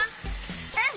うん！